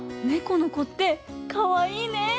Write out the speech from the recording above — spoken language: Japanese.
この子ってかわいいね！